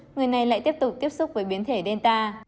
người này lại tiếp tục tiếp xúc với biến thể delta